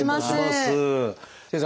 先生。